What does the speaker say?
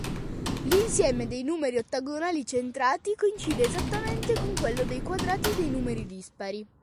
L'insieme dei numeri ottagonali centrati coincide esattamente con quello dei quadrati dei numeri dispari.